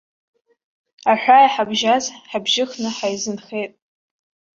Аҳәаа иҳабжьаз ҳабжьыхны ҳаизынхеит.